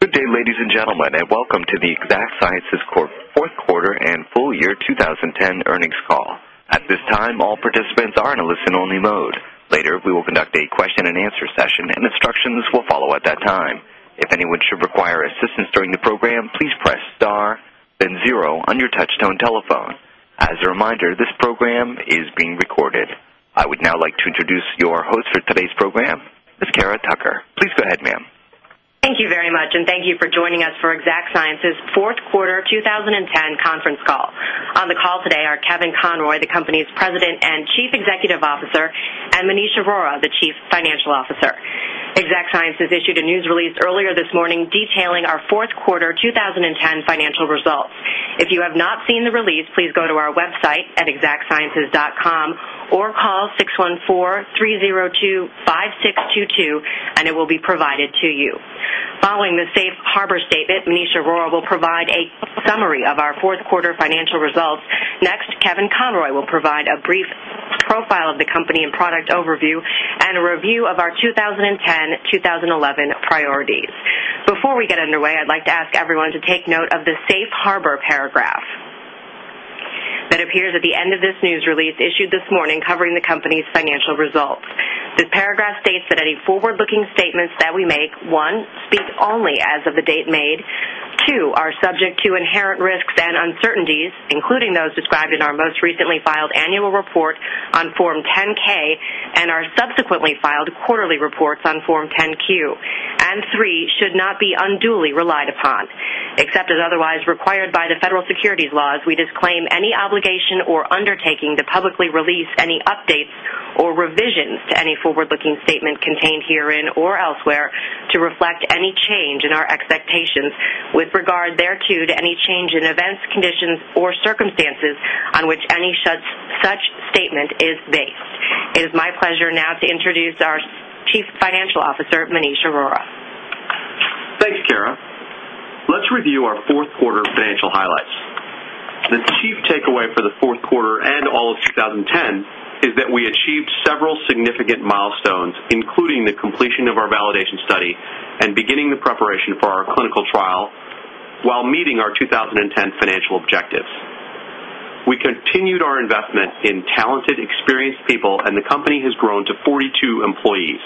Good day, ladies and gentlemen, and welcome to the Exact Sciences fourth quarter and full year 2010 earnings call. At this time, all participants are in a listen-only mode. Later, we will conduct a Q&A session, and instructions will follow at that time. If anyone should require assistance during the program, please press star, then zero on your touch-tone telephone. As a reminder, this program is being recorded. I would now like to introduce your host for today's program, Ms. Cara Tucker. Please go ahead, ma'am. Thank you very much, and thank you for joining us for Exact Sciences' Fourth Quarter 2010 conference call. On the call today are Kevin Conroy, the company's President and Chief Executive Officer, and Maneesh Arora, the Chief Financial Officer. Exact Sciences issued a news release earlier this morning detailing our fourth quarter 2010 financial results. If you have not seen the release, please go to our website at exactsciences.com or call 614-302-5622, and it will be provided to you. Following the safe harbor statement, Maneesh Arora will provide a summary of our fourth quarter financial results. Next, Kevin Conroy will provide a brief profile of the company and product overview, and a review of our 2010-2011 priorities. Before we get underway, I'd like to ask everyone to take note of the safe harbor paragraph that appears at the end of this news release issued this morning covering the company's financial results. The paragraph states that any forward-looking statements that we make, one, speak only as of the date made, two, are subject to inherent risks and uncertainties, including those described in our most recently filed annual report on Form 10-K, and our subsequently filed quarterly reports on Form 10-Q, and three, should not be unduly relied upon. Except as otherwise required by the federal securities laws, we disclaim any obligation or undertaking to publicly release any updates or revisions to any forward-looking statement contained herein or elsewhere to reflect any change in our expectations with regard thereto to any change in events, conditions, or circumstances on which any such statement is based. It is my pleasure now to introduce our Chief Financial Officer, Maneesh Arora. Thanks, Cara. Let's review our fourth quarter financial highlights. The chief takeaway for the fourth quarter and all of 2010 is that we achieved several significant milestones, including the completion of our validation study and beginning the preparation for our clinical trial while meeting our 2010 financial objectives. We continued our investment in talented, experienced people, and the company has grown to 42 employees.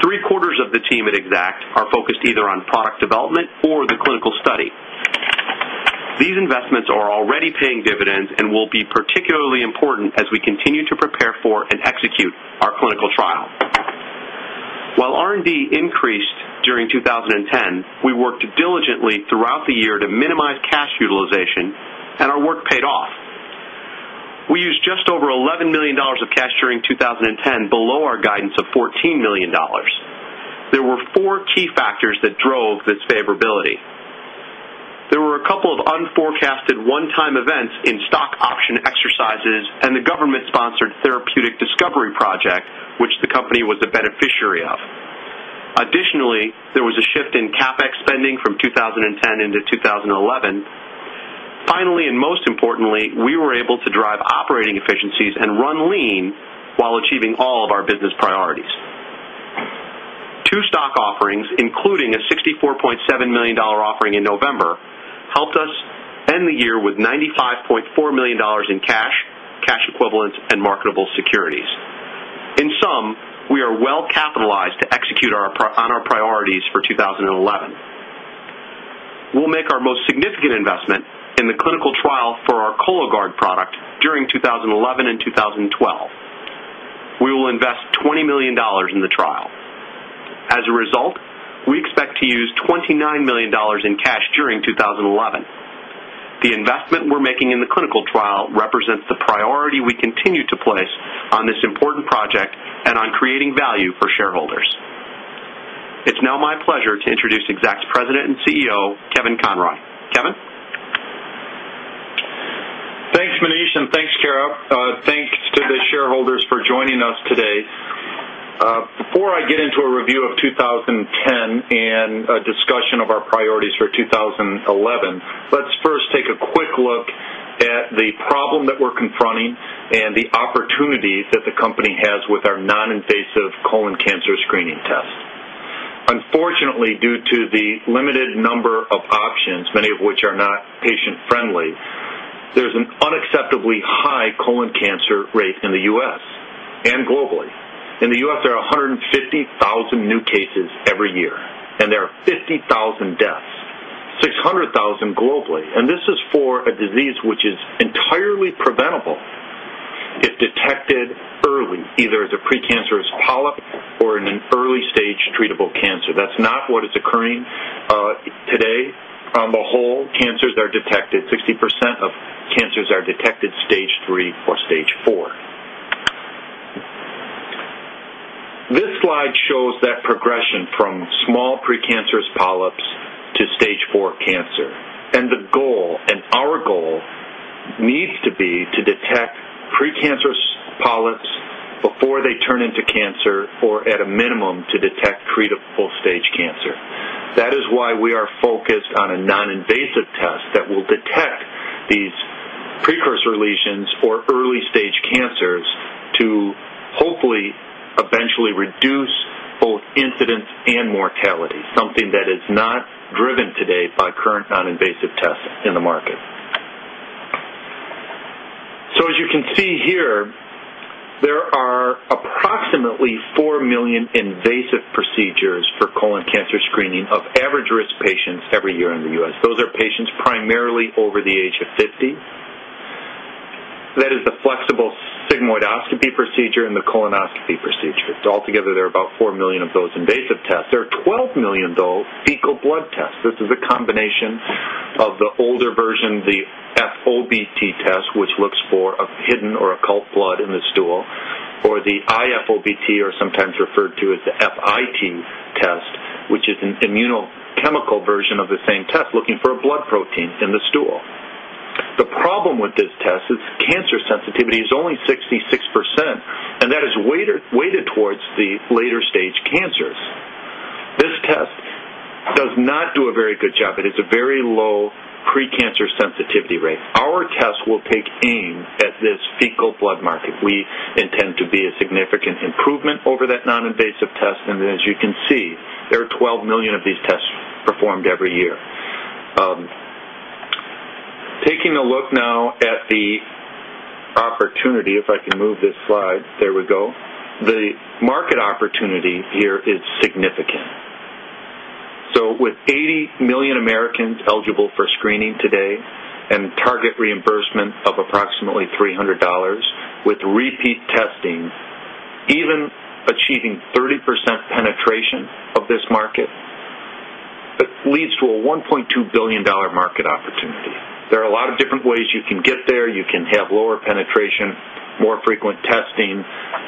Three-quarters of the team at Exact are focused either on product development or the clinical study. These investments are already paying dividends and will be particularly important as we continue to prepare for and execute our clinical trial. While R&D increased during 2010, we worked diligently throughout the year to minimize cash utilization, and our work paid off. We used just over $11 million of cash during 2010 below our guidance of $14 million. There were four key factors that drove this favorability. There were a couple of unforecasted one-time events in stock option exercises and the government-sponsored therapeutic discovery project, which the company was a beneficiary of. Additionally, there was a shift in CapEx spending from 2010-2011. Finally, and most importantly, we were able to drive operating efficiencies and run lean while achieving all of our business priorities. Two stock offerings, including a $64.7 million offering in November, helped us end the year with $95.4 million in cash, cash equivalents, and marketable securities. In sum, we are well capitalized to execute on our priorities for 2011. We'll make our most significant investment in the clinical trial for our Cologuard product during 2011 and 2012. We will invest $20 million in the trial. As a result, we expect to use $29 million in cash during 2011. The investment we're making in the clinical trial represents the priority we continue to place on this important project and on creating value for shareholders. It's now my pleasure to introduce Exact's President and CEO, Kevin Conroy. Kevin? Thanks, Maneesh, and thanks, Cara. Thanks to the shareholders for joining us today. Before I get into a review of 2010 and a discussion of our priorities for 2011, let's first take a quick look at the problem that we're confronting and the opportunity that the company has with our non-invasive colon cancer screening test. Unfortunately, due to the limited number of options, many of which are not patient-friendly, there's an unacceptably high colon cancer rate in the U.S. and globally. In the U.S., there are 150,000 new cases every year, and there are 50,000 deaths, 600,000 globally. This is for a disease which is entirely preventable if detected early, either as a precancerous polyp or in an early-stage treatable cancer. That's not what is occurring today. On the whole, cancers are detected; 60% of cancers are detected stage three or stage four. This slide shows that progression from small precancerous polyps to stage four cancer. The goal, and our goal, needs to be to detect precancerous polyps before they turn into cancer, or at a minimum, to detect treatable stage cancer. That is why we are focused on a non-invasive test that will detect these precursor lesions or early-stage cancers to hopefully eventually reduce both incidence and mortality, something that is not driven today by current non-invasive tests in the market. As you can see here, there are approximately 4 million invasive procedures for colon cancer screening of average-risk patients every year in the U.S. Those are patients primarily over the age of 50. That is the flexible sigmoidoscopy procedure and the colonoscopy procedure. Altogether, there are about 4 million of those invasive tests. There are 12 million, though, fecal blood tests. This is a combination of the older version, the FOBT test, which looks for hidden or occult blood in the stool, or the IFOBT, or sometimes referred to as the FIT test, which is an immunochemical version of the same test looking for a blood protein in the stool. The problem with this test is cancer sensitivity is only 66%, and that is weighted towards the later-stage cancers. This test does not do a very good job. It is a very low precancer sensitivity rate. Our test will take aim at this fecal blood market. We intend to be a significant improvement over that non-invasive test. As you can see, there are 12 million of these tests performed every year. Taking a look now at the opportunity, if I can move this slide, there we go, the market opportunity here is significant. With 80 million Americans eligible for screening today and target reimbursement of approximately $300, with repeat testing, even achieving 30% penetration of this market, it leads to a $1.2 billion market opportunity. There are a lot of different ways you can get there. You can have lower penetration, more frequent testing,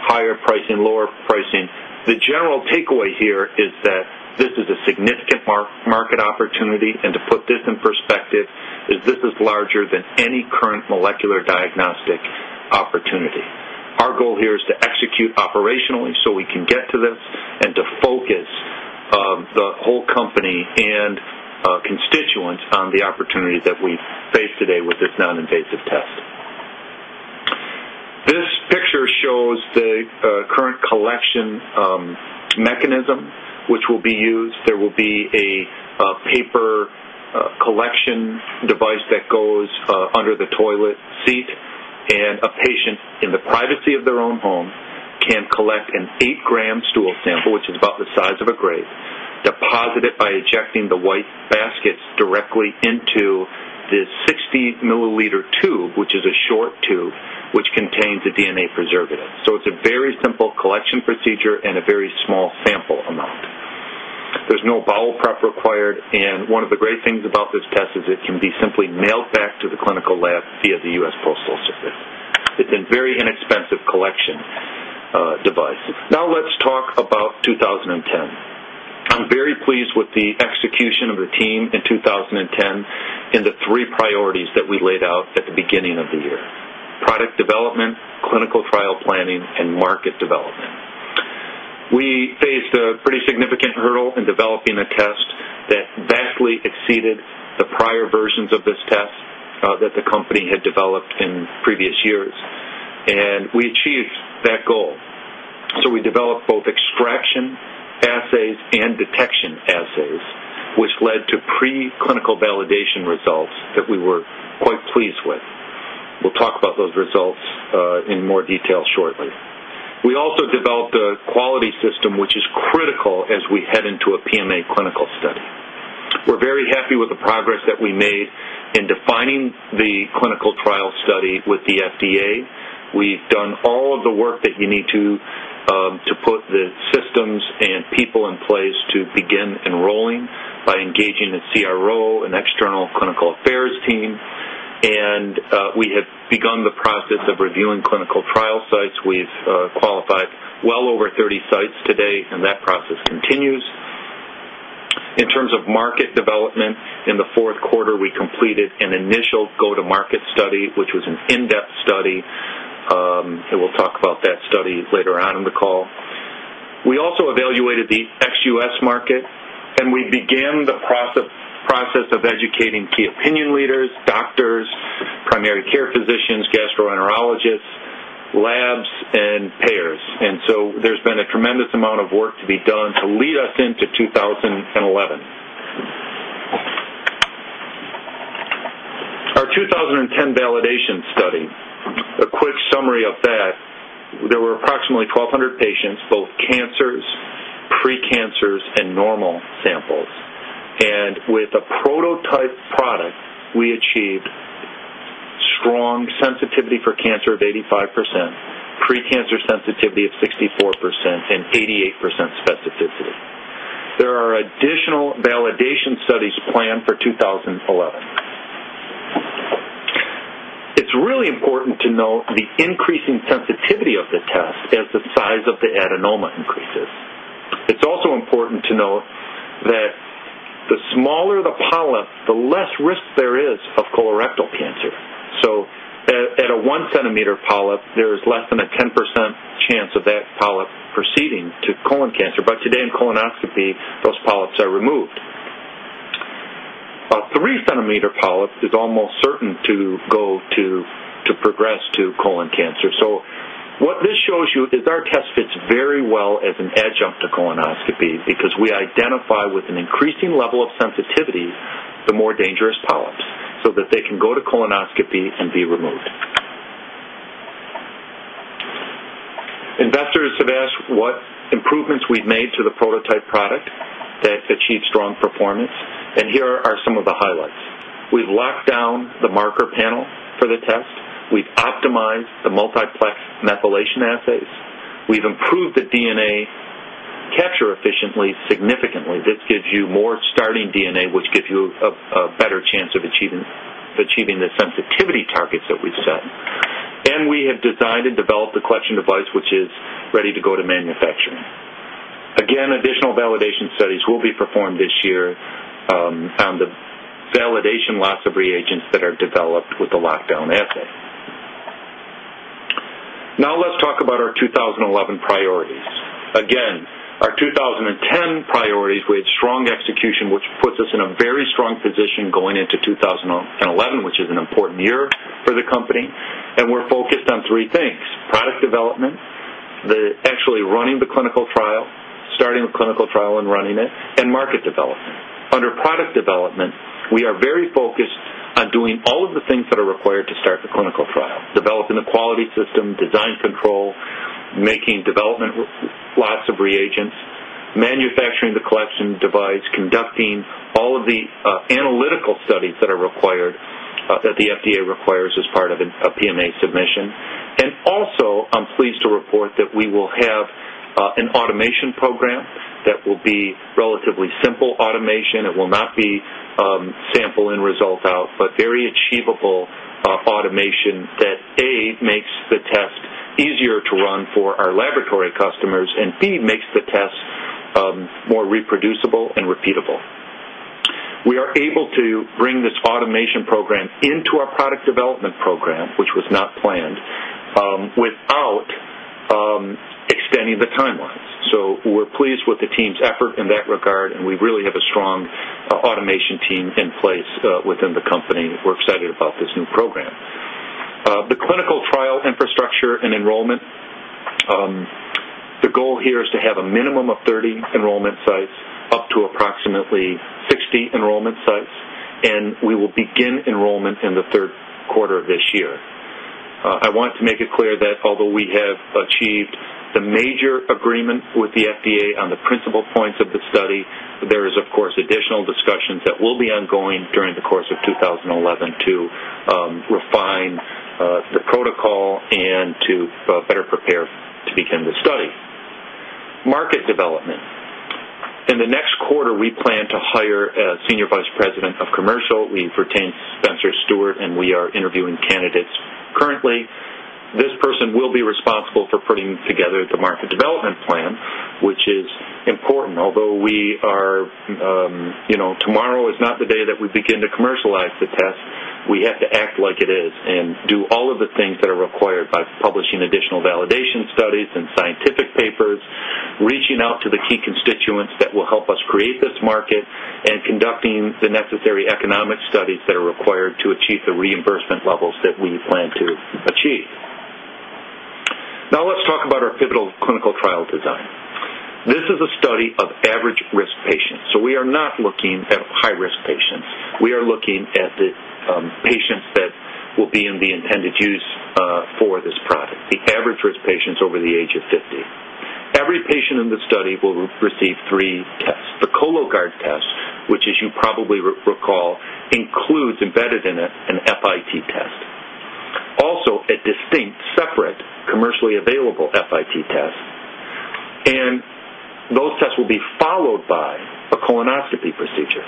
higher pricing, lower pricing. The general takeaway here is that this is a significant market opportunity. To put this in perspective, this is larger than any current molecular diagnostic opportunity. Our goal here is to execute operationally so we can get to this and to focus the whole company and constituents on the opportunity that we face today with this non-invasive test. This picture shows the current collection mechanism, which will be used. There will be a paper collection device that goes under the toilet seat, and a patient in the privacy of their own home can collect an 8-gram stool sample, which is about the size of a grape, deposit it by ejecting the white baskets directly into this 60-milliliter tube, which is a short tube, which contains a DNA preservative. It is a very simple collection procedure and a very small sample amount. There is no bowel prep required. One of the great things about this test is it can be simply mailed back to the clinical lab via the U.S. Postal Service. It is a very inexpensive collection device. Now, let's talk about 2010. I'm very pleased with the execution of the team in 2010 and the three priorities that we laid out at the beginning of the year: product development, clinical trial planning, and market development. We faced a pretty significant hurdle in developing a test that vastly exceeded the prior versions of this test that the company had developed in previous years. We achieved that goal. We developed both extraction assays and detection assays, which led to preclinical validation results that we were quite pleased with. We'll talk about those results in more detail shortly. We also developed a quality system, which is critical as we head into a PMA clinical study. We're very happy with the progress that we made in defining the clinical trial study with the FDA. We've done all of the work that you need to put the systems and people in place to begin enrolling by engaging the CRO and external clinical affairs team. We have begun the process of reviewing clinical trial sites. We've qualified well over 30 sites today, and that process continues. In terms of market development, in the fourth quarter, we completed an initial go-to-market study, which was an in-depth study. We will talk about that study later on in the call. We also evaluated the ex-US market, and we began the process of educating key opinion leaders, doctors, primary care physicians, gastroenterologists, labs, and payers. There has been a tremendous amount of work to be done to lead us into 2011. Our 2010 validation study, a quick summary of that, there were approximately 1,200 patients, both cancers, precancers, and normal samples. With a prototype product, we achieved strong sensitivity for cancer of 85%, precancer sensitivity of 64%, and 88% specificity. There are additional validation studies planned for 2011. It is really important to note the increasing sensitivity of the test as the size of the adenoma increases. It's also important to note that the smaller the polyp, the less risk there is of colorectal cancer. At a 1-centimeter polyp, there is less than a 10% chance of that polyp proceeding to colon cancer. In colonoscopy, those polyps are removed. A 3-centimeter polyp is almost certain to progress to colon cancer. What this shows you is our test fits very well as an adjunct to colonoscopy because we identify with an increasing level of sensitivity the more dangerous polyps so that they can go to colonoscopy and be removed. Investors have asked what improvements we've made to the prototype product that achieved strong performance. Here are some of the highlights. We've locked down the marker panel for the test. We've optimized the multiplex methylation assays. We've improved the DNA capture efficiency significantly. This gives you more starting DNA, which gives you a better chance of achieving the sensitivity targets that we've set. We have designed and developed the collection device, which is ready to go to manufacturing. Additional validation studies will be performed this year on the validation lots of reagents that are developed with the lockdown assay. Now, let's talk about our 2011 priorities. Our 2010 priorities, we had strong execution, which puts us in a very strong position going into 2011, which is an important year for the company. We're focused on three things: product development, actually running the clinical trial, starting the clinical trial and running it, and market development. Under product development, we are very focused on doing all of the things that are required to start the clinical trial: developing the quality system, design control, making development lots of reagents, manufacturing the collection device, conducting all of the analytical studies that are required that the FDA requires as part of a PMA submission. I am pleased to report that we will have an automation program that will be relatively simple automation. It will not be sample in, result out, but very achievable automation that, A, makes the test easier to run for our laboratory customers, and B, makes the test more reproducible and repeatable. We are able to bring this automation program into our product development program, which was not planned, without extending the timelines. We're pleased with the team's effort in that regard, and we really have a strong automation team in place within the company. We're excited about this new program. The clinical trial infrastructure and enrollment, the goal here is to have a minimum of 30 enrollment sites, up to approximately 60 enrollment sites, and we will begin enrollment in the third quarter of this year. I want to make it clear that although we have achieved the major agreement with the FDA on the principal points of the study, there is, of course, additional discussion that will be ongoing during the course of 2011 to refine the protocol and to better prepare to begin the study. Market development. In the next quarter, we plan to hire a Senior Vice President of Commercial. We've retained Spencer Stuart, and we are interviewing candidates currently. This person will be responsible for putting together the market development plan, which is important. Although tomorrow is not the day that we begin to commercialize the test, we have to act like it is and do all of the things that are required by publishing additional validation studies and scientific papers, reaching out to the key constituents that will help us create this market, and conducting the necessary economic studies that are required to achieve the reimbursement levels that we plan to achieve. Now, let's talk about our pivotal clinical trial design. This is a study of average-risk patients. We are not looking at high-risk patients. We are looking at the patients that will be in the intended use for this product, the average-risk patients over the age of 50. Every patient in the study will receive three tests. The Cologuard test, which, as you probably recall, includes embedded in it an FIT test, also a distinct, separate, commercially available FIT test. Those tests will be followed by a colonoscopy procedure.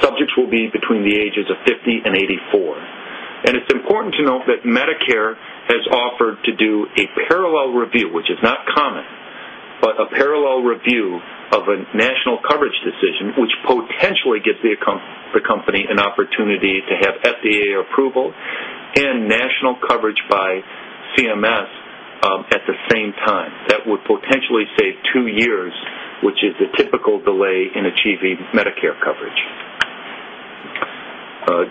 Subjects will be between the ages of 50 and 84. It is important to note that Medicare has offered to do a parallel review, which is not common, but a parallel review of a national coverage decision, which potentially gives the company an opportunity to have FDA approval and national coverage by CMS at the same time. That would potentially save two years, which is the typical delay in achieving Medicare coverage.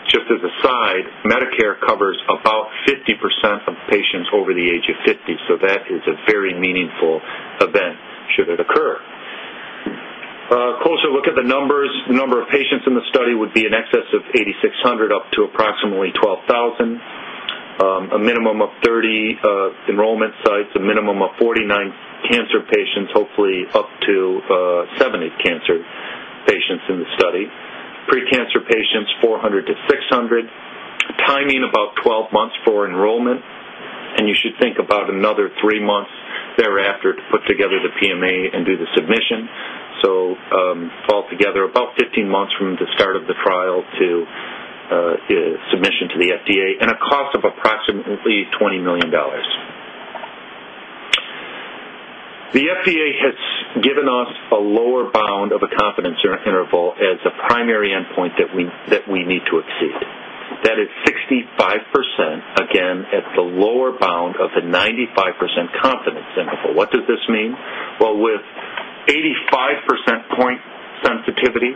Just as a side, Medicare covers about 50% of patients over the age of 50. That is a very meaningful event should it occur. Closer look at the numbers. The number of patients in the study would be in excess of 8,600, up to approximately 12,000, a minimum of 30 enrollment sites, a minimum of 49 cancer patients, hopefully up to 70 cancer patients in the study, precancer patients 400-600, timing about 12 months for enrollment. You should think about another three months thereafter to put together the PMA and do the submission. Altogether about 15 months from the start of the trial to submission to the FDA and a cost of approximately $20 million. The FDA has given us a lower bound of a confidence interval as a primary endpoint that we need to exceed. That is 65%, again, at the lower bound of the 95% confidence interval. What does this mean? With 85% point sensitivity,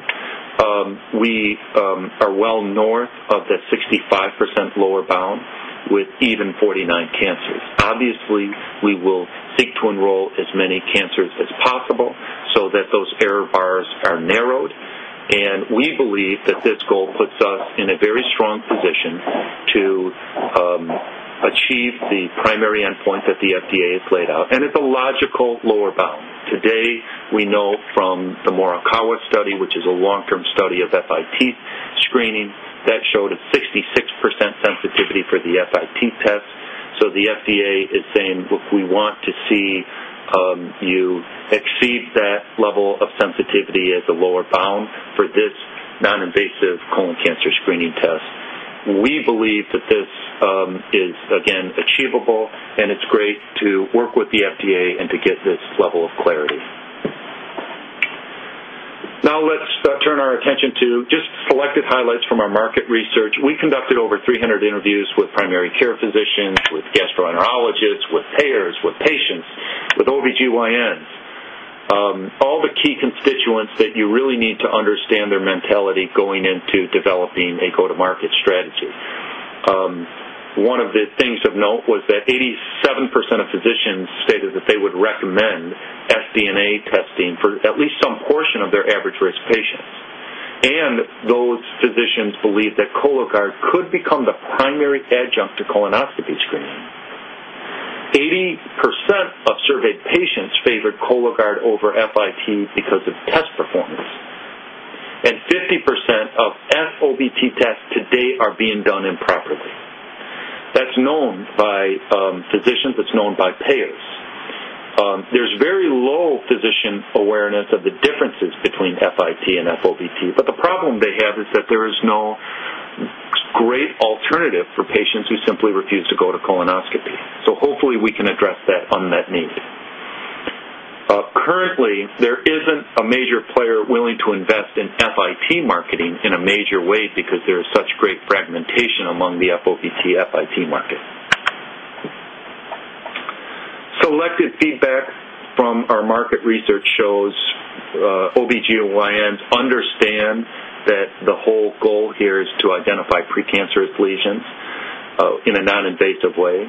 we are well north of the 65% lower bound with even 49 cancers. Obviously, we will seek to enroll as many cancers as possible so that those error bars are narrowed. We believe that this goal puts us in a very strong position to achieve the primary endpoint that the FDA has laid out. It is a logical lower bound. Today, we know from the Morikawa study, which is a long-term study of FIT screening, that showed a 66% sensitivity for the FIT test. The FDA is saying, "Look, we want to see you exceed that level of sensitivity as a lower bound for this non-invasive colon cancer screening test." We believe that this is, again, achievable, and it is great to work with the FDA and to get this level of clarity. Now, let's turn our attention to just selected highlights from our market research. We conducted over 300 interviews with primary care physicians, with gastroenterologists, with payers, with patients, with OB/GYNs, all the key constituents that you really need to understand their mentality going into developing a go-to-market strategy. One of the things of note was that 87% of physicians stated that they would recommend sDNA testing for at least some portion of their average-risk patients. And those physicians believe that Cologuard could become the primary adjunct to colonoscopy screening. 80% of surveyed patients favored Cologuard over FIT because of test performance. And 50% of FOBT tests today are being done improperly. That's known by physicians. It's known by payers. There's very low physician awareness of the differences between FIT and FOBT. But the problem they have is that there is no great alternative for patients who simply refuse to go to colonoscopy. So, hopefully, we can address that unmet need. Currently, there isn't a major player willing to invest in FIT marketing in a major way because there is such great fragmentation among the FOBT-FIT market. Selected feedback from our market research shows OB/GYNs understand that the whole goal here is to identify precancerous lesions in a non-invasive way.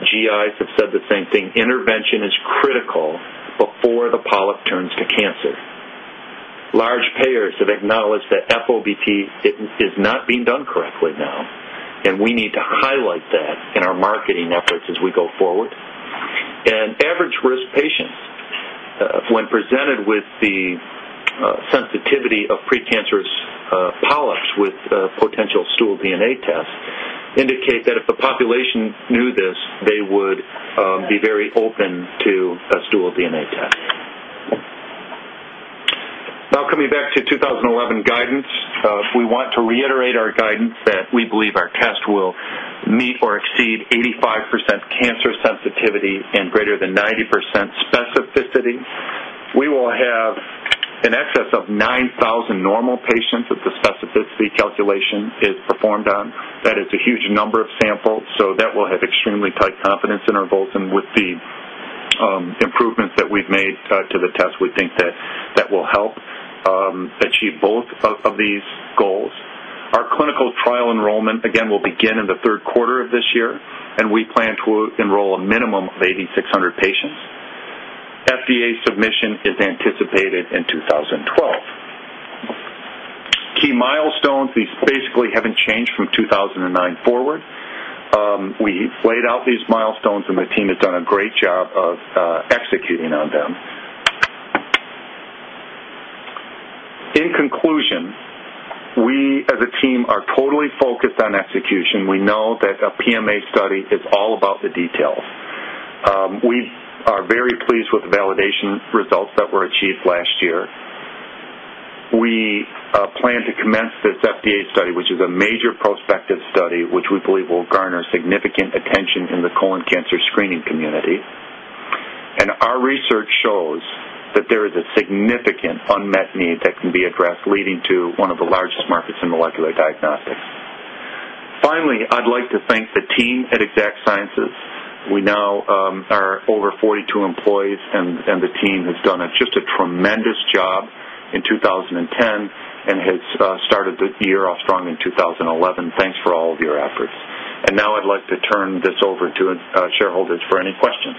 GIs have said the same thing. Intervention is critical before the polyp turns to cancer. Large payers have acknowledged that FOBT is not being done correctly now, and we need to highlight that in our marketing efforts as we go forward. Average-risk patients, when presented with the sensitivity of precancerous polyps with potential stool DNA test, indicate that if the population knew this, they would be very open to a stool DNA test. Now, coming back to 2011 guidance, we want to reiterate our guidance that we believe our test will meet or exceed 85% cancer sensitivity and greater than 90% specificity. We will have in excess of 9,000 normal patients that the specificity calculation is performed on. That is a huge number of samples. That will have extremely tight confidence intervals. With the improvements that we've made to the test, we think that that will help achieve both of these goals. Our clinical trial enrollment, again, will begin in the third quarter of this year, and we plan to enroll a minimum of 8,600 patients. FDA submission is anticipated in 2012. Key milestones, these basically have not changed from 2009 forward. We laid out these milestones, and the team has done a great job of executing on them. In conclusion, we as a team are totally focused on execution. We know that a PMA study is all about the details. We are very pleased with the validation results that were achieved last year. We plan to commence this FDA study, which is a major prospective study, which we believe will garner significant attention in the colon cancer screening community. Our research shows that there is a significant unmet need that can be addressed, leading to one of the largest markets in molecular diagnostics. Finally, I'd like to thank the team at Exact Sciences. We now are over 42 employees, and the team has done just a tremendous job in 2010 and has started the year off strong in 2011. Thanks for all of your efforts. Now, I'd like to turn this over to shareholders for any questions.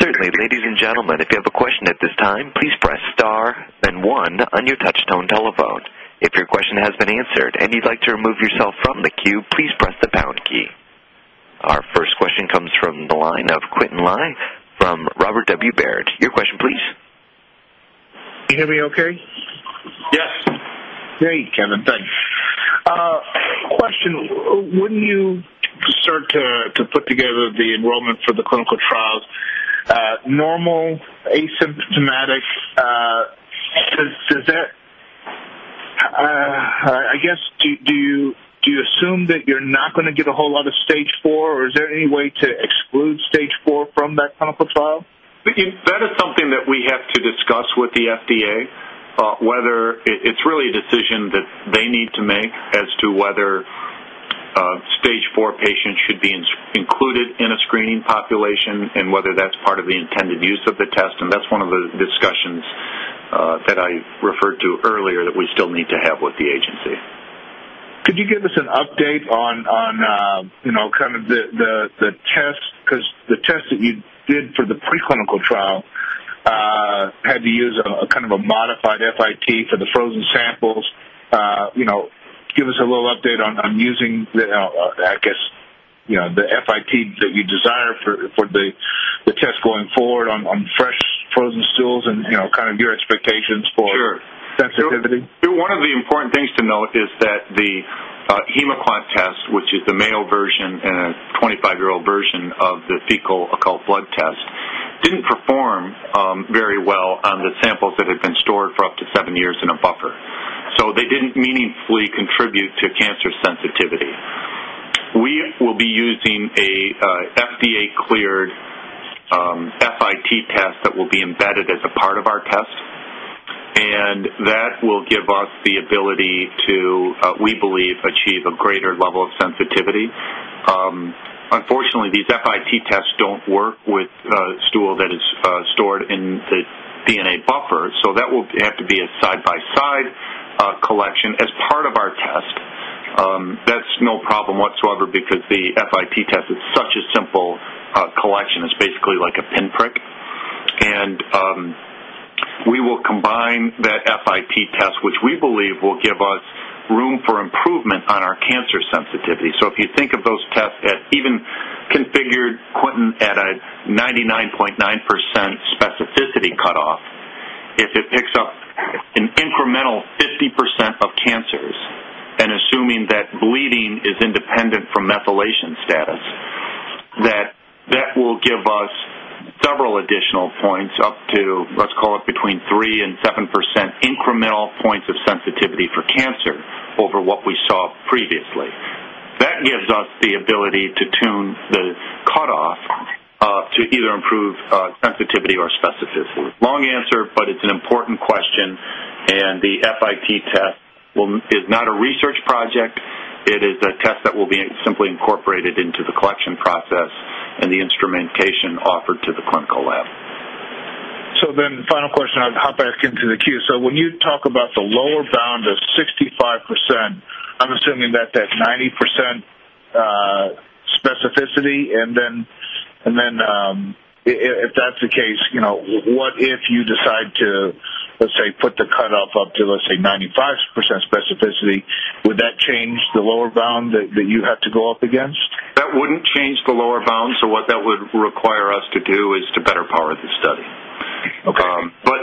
Certainly. Ladies and gentlemen, if you have a question at this time, please press star and one on your touch-tone telephone. If your question has been answered and you'd like to remove yourself from the queue, please press the pound key. Our first question comes from the line of Quintin Lai from Robert W. Baird. Your question, please. Can you hear me okay? Yes. Great, Kevin. Thanks. Question. When you start to put together the enrollment for the clinical trials, normal, asymptomatic, does that—I guess, do you assume that you're not going to get a whole lot of stage four, or is there any way to exclude stage four from that clinical trial? That is something that we have to discuss with the FDA, whether it's really a decision that they need to make as to whether stage four patients should be included in a screening population and whether that's part of the intended use of the test. That is one of the discussions that I referred to earlier that we still need to have with the agency. Could you give us an update on kind of the test? Because the test that you did for the preclinical trial had to use kind of a modified FIT for the frozen samples. Give us a little update on using, I guess, the FIT that you desire for the test going forward on fresh frozen stools and kind of your expectations for sensitivity. Sure. One of the important things to note is that the HemoQuant test, which is the male version and a 25-year-old version of the fecal occult blood test, did not perform very well on the samples that had been stored for up to seven years in a buffer. They did not meaningfully contribute to cancer sensitivity. We will be using a FDA-cleared FIT test that will be embedded as a part of our test. That will give us the ability to, we believe, achieve a greater level of sensitivity. Unfortunately, these FIT tests do not work with stool that is stored in the DNA buffer. That will have to be a side-by-side collection as part of our test. That is no problem whatsoever because the FIT test is such a simple collection. It is basically like a pinprick. We will combine that FIT test, which we believe will give us room for improvement on our cancer sensitivity. If you think of those tests even configured, Quintin, at a 99.9% specificity cutoff, if it picks up an incremental 50% of cancers and assuming that bleeding is independent from methylation status, that will give us several additional points, up to, let's call it, between 3% and 7% incremental points of sensitivity for cancer over what we saw previously. That gives us the ability to tune the cutoff to either improve sensitivity or specificity. Long answer, but it's an important question. The FIT test is not a research project. It is a test that will be simply incorporated into the collection process and the instrumentation offered to the clinical lab. Then, final question. I'll hop back into the queue. When you talk about the lower bound of 65%, I'm assuming that that's 90% specificity. If that's the case, what if you decide to, let's say, put the cutoff up to, let's say, 95% specificity? Would that change the lower bound that you have to go up against? That would not change the lower bound. What that would require us to do is to better power the study.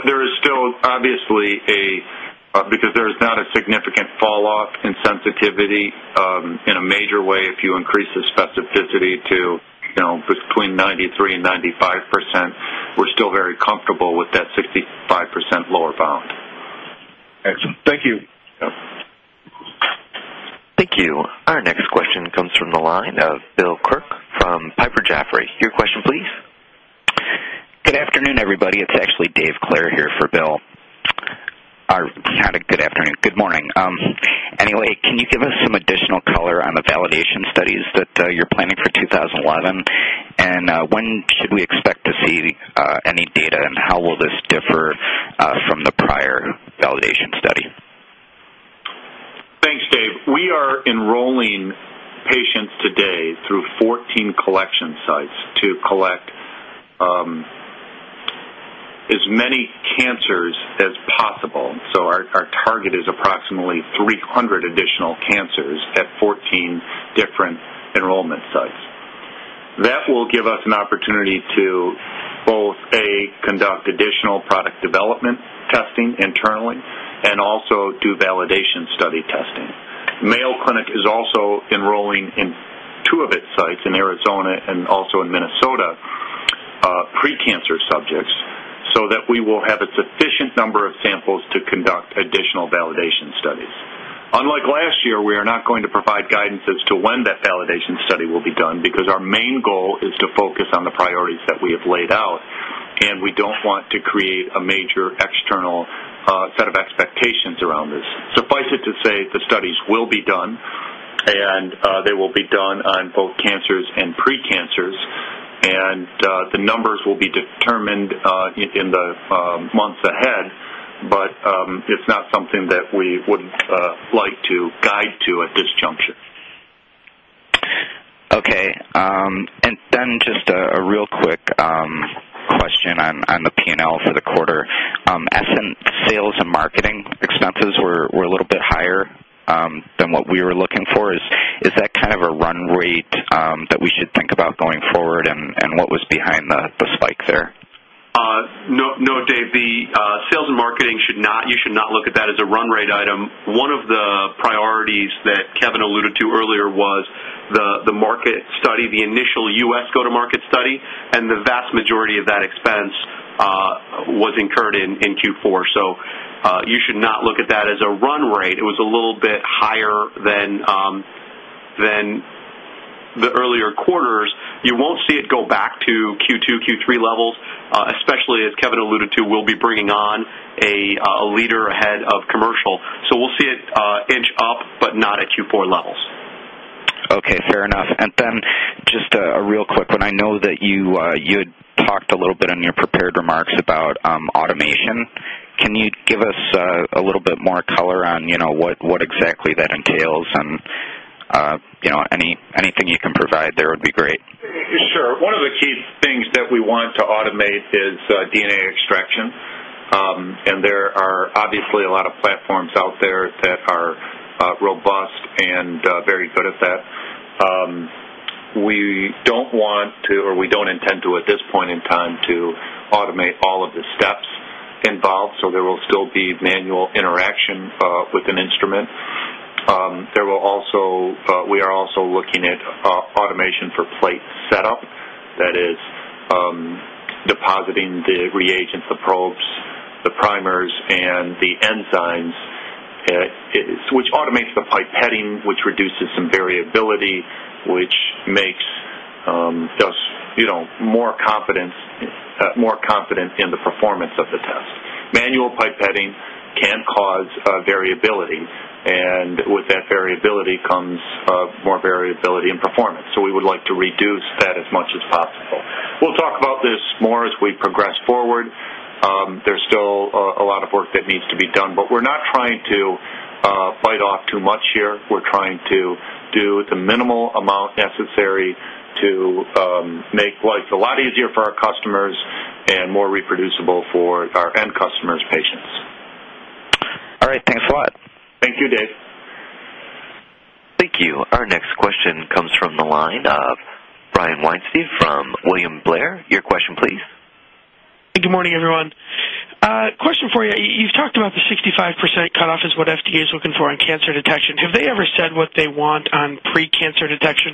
There is still, obviously, a—because there is not a significant falloff in sensitivity in a major way if you increase the specificity to between 93% and 95%, we are still very comfortable with that 65% lower bound. Excellent. Thank you. Thank you. Our next question comes from the line of Bill Kirk from Piper Jaffray. Your question, please. Good afternoon, everybody. It's actually David Clair here for Bill. Have a good afternoon. Good morning. Anyway, can you give us some additional color on the validation studies that you're planning for 2011? And when should we expect to see any data, and how will this differ from the prior validation study? Thanks, David. We are enrolling patients today through 14 collection sites to collect as many cancers as possible. Our target is approximately 300 additional cancers at 14 different enrollment sites. That will give us an opportunity to both, A, conduct additional product development testing internally and also do validation study testing. Mayo Clinic is also enrolling in two of its sites in Arizona and also in Minnesota precancer subjects so that we will have a sufficient number of samples to conduct additional validation studies. Unlike last year, we are not going to provide guidance as to when that validation study will be done because our main goal is to focus on the priorities that we have laid out, and we do not want to create a major external set of expectations around this. Suffice it to say, the studies will be done, and they will be done on both cancers and precancers. The numbers will be determined in the months ahead, but it's not something that we would like to guide to at this juncture. Okay. And then just a real quick question on the P&L for the quarter. Isn't sales and marketing expenses were a little bit higher than what we were looking for. Is that kind of a run rate that we should think about going forward, and what was behind the spike there? No, Dave. The sales and marketing should not—you should not look at that as a run rate item. One of the priorities that Kevin alluded to earlier was the market study, the initial U.S. go-to-market study, and the vast majority of that expense was incurred in Q4. You should not look at that as a run rate. It was a little bit higher than the earlier quarters. You will not see it go back to Q2, Q3 levels, especially as Kevin alluded to, we will be bringing on a leader ahead of commercial. We will see it inch up, but not at Q4 levels. Okay. Fair enough. And then just a real quick one. I know that you had talked a little bit in your prepared remarks about automation. Can you give us a little bit more color on what exactly that entails? And anything you can provide there would be great. Sure. One of the key things that we want to automate is DNA extraction. There are obviously a lot of platforms out there that are robust and very good at that. We do not want to, or we do not intend to, at this point in time, to automate all of the steps involved. There will still be manual interaction with an instrument. We are also looking at automation for plate setup, that is, depositing the reagents, the probes, the primers, and the enzymes, which automates the pipetting, which reduces some variability, which makes us more confident in the performance of the test. Manual pipetting can cause variability, and with that variability comes more variability in performance. We would like to reduce that as much as possible. We will talk about this more as we progress forward. There's still a lot of work that needs to be done, but we're not trying to bite off too much here. We're trying to do the minimal amount necessary to make life a lot easier for our customers and more reproducible for our end customers, patients. All right. Thanks a lot. Thank you, David. Thank you. Our next question comes from the line of Brian Weinstein from William Blair. Your question, please. Hey, good morning, everyone. Question for you. You've talked about the 65% cutoff as what FDA is looking for on cancer detection. Have they ever said what they want on precancer detection?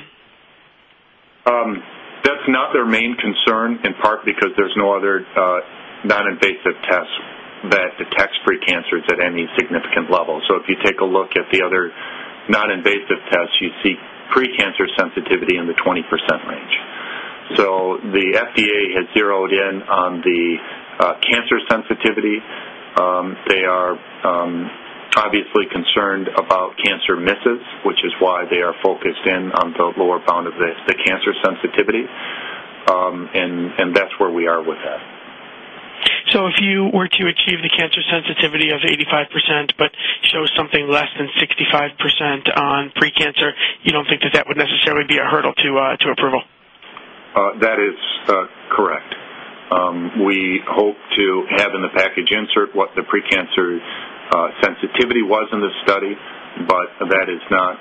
That's not their main concern, in part because there's no other non-invasive test that detects precancers at any significant level. If you take a look at the other non-invasive tests, you see precancer sensitivity in the 20% range. The FDA has zeroed in on the cancer sensitivity. They are obviously concerned about cancer misses, which is why they are focused in on the lower bound of the cancer sensitivity. That's where we are with that. If you were to achieve the cancer sensitivity of 85% but show something less than 65% on precancer, you don't think that that would necessarily be a hurdle to approval? That is correct. We hope to have in the package insert what the precancer sensitivity was in the study, but that is not,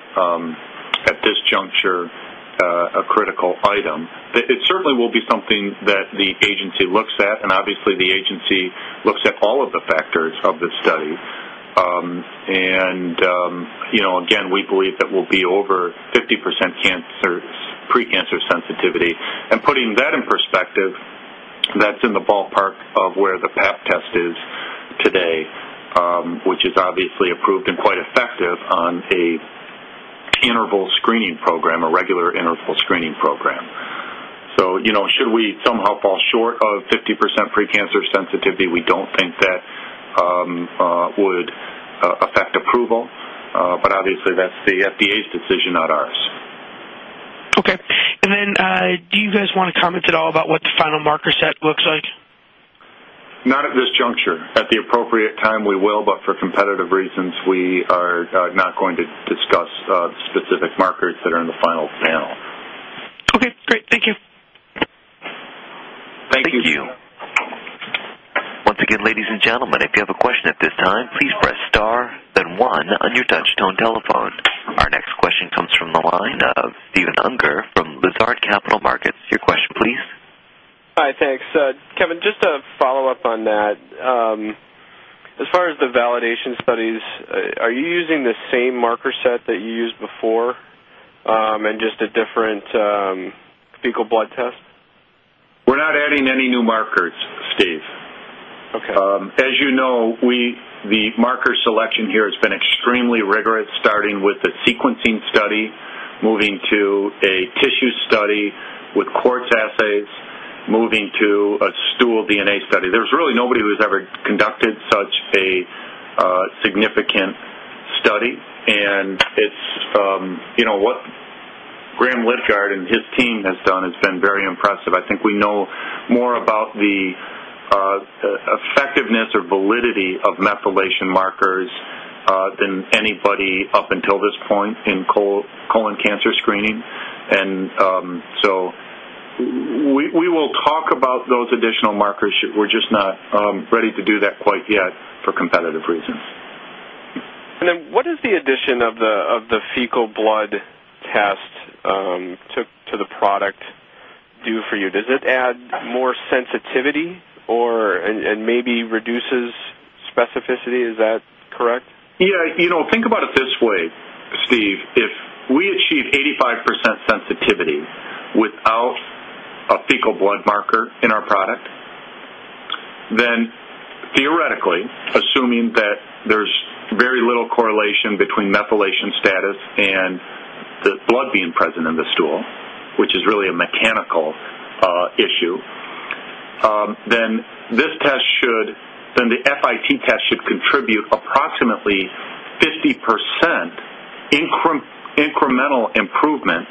at this juncture, a critical item. It certainly will be something that the agency looks at. Obviously, the agency looks at all of the factors of the study. Again, we believe that we'll be over 50% precancer sensitivity. Putting that in perspective, that's in the ballpark of where the PAP test is today, which is obviously approved and quite effective on a interval screening program, a regular interval screening program. Should we somehow fall short of 50% precancer sensitivity, we do not think that would affect approval. Obviously, that's the FDA's decision, not ours. Okay. Do you guys want to comment at all about what the final marker set looks like? Not at this juncture. At the appropriate time, we will, but for competitive reasons, we are not going to discuss specific markers that are in the final panel. Okay. Great. Thank you. Thank you. Thank you. Once again, ladies and gentlemen, if you have a question at this time, please press star, then one on your touchstone telephone. Our next question comes from the line of Stephen Unger from Lazard Capital Markets. Your question, please. Hi. Thanks. Kevin, just a follow-up on that. As far as the validation studies, are you using the same marker set that you used before and just a different fecal blood test? We're not adding any new markers, Steve. As you know, the marker selection here has been extremely rigorous, starting with the sequencing study, moving to a tissue study with quartz assays, moving to a stool DNA study. There's really nobody who's ever conducted such a significant study. What Graham Lidgard and his team has done has been very impressive. I think we know more about the effectiveness or validity of methylation markers than anybody up until this point in colon cancer screening. We will talk about those additional markers. We're just not ready to do that quite yet for competitive reasons. What does the addition of the fecal blood test to the product do for you? Does it add more sensitivity and maybe reduce specificity? Is that correct? Yeah. Think about it this way, Steve. If we achieve 85% sensitivity without a fecal blood marker in our product, then theoretically, assuming that there is very little correlation between methylation status and the blood being present in the stool, which is really a mechanical issue, then the FIT test should contribute approximately 50% incremental improvement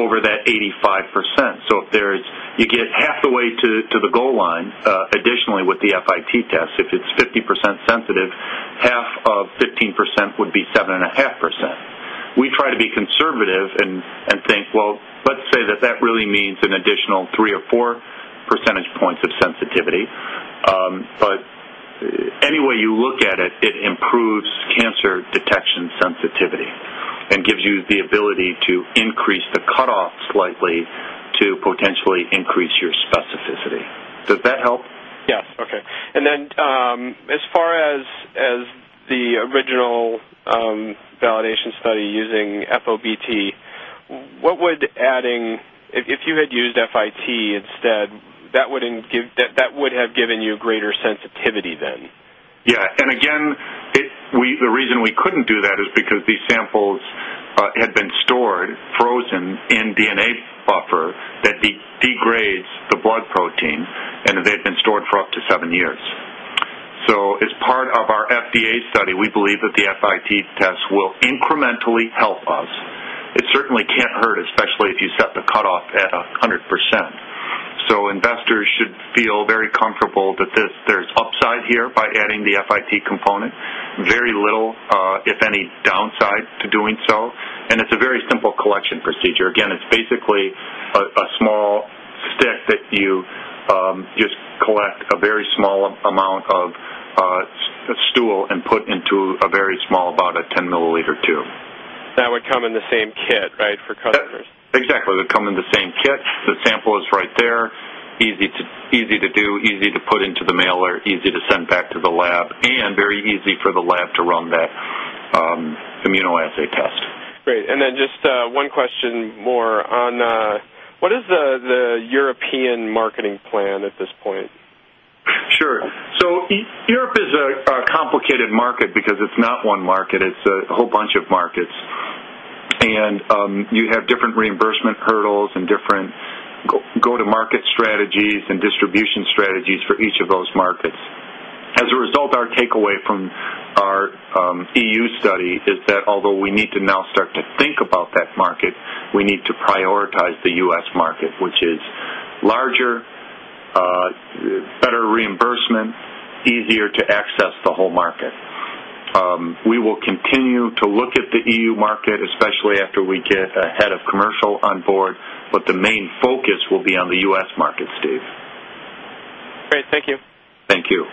over that 85%. You get half the way to the goal line additionally with the FIT test. If it is 50% sensitive, half of 15% would be 7.5%. We try to be conservative and think, "Well, let's say that that really means an additional 3 percentage point or 4 percentage points of sensitivity." Any way you look at it, it improves cancer detection sensitivity and gives you the ability to increase the cutoff slightly to potentially increase your specificity. Does that help? Yes. Okay. As far as the original validation study using FOBT, if you had used FIT instead, that would have given you greater sensitivity then. Yeah. Again, the reason we could not do that is because these samples had been stored, frozen in DNA buffer that degrades the blood protein, and they have been stored for up to seven years. As part of our FDA study, we believe that the FIT test will incrementally help us. It certainly cannot hurt, especially if you set the cutoff at 100%. Investors should feel very comfortable that there is upside here by adding the FIT component. Very little, if any, downside to doing so. It is a very simple collection procedure. Again, it is basically a small stick that you just collect a very small amount of stool and put into a very small, about a 10-milliliter tube. That would come in the same kit, right, for customers? Exactly. It would come in the same kit. The sample is right there. Easy to do, easy to put into the mailer, easy to send back to the lab, and very easy for the lab to run that immunoassay test. Great. And then just one question more on what is the European marketing plan at this point? Sure. Europe is a complicated market because it is not one market. It is a whole bunch of markets. You have different reimbursement hurdles and different go-to-market strategies and distribution strategies for each of those markets. As a result, our takeaway from our EU study is that although we need to now start to think about that market, we need to prioritize the U.S. market, which is larger, better reimbursement, easier to access the whole market. We will continue to look at the EU market, especially after we get ahead of commercial on board, but the main focus will be on the U.S. market, Steve. Great. Thank you. Thank you.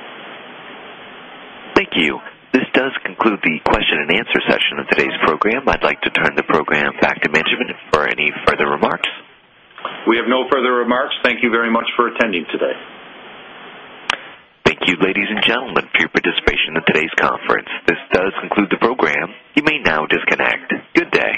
Thank you. This does conclude the question and answer session of today's program. I'd like to turn the program back to Kevin for any further remarks. We have no further remarks. Thank you very much for attending today. Thank you, ladies and gentlemen, for your participation in today's conference. This does conclude the program. You may now disconnect. Good day.